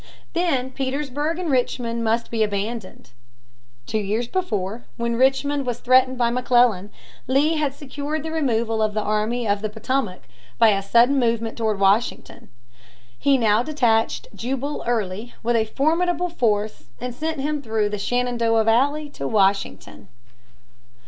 Then Petersburg and Richmond must be abandoned. Two years before, when Richmond was threatened by McClellan, Lee had secured the removal of the Army of the Potomac by a sudden movement toward Washington (p. 321). He now detached Jubal Early with a formidable force and sent him through the Shenandoah Valley to Washington.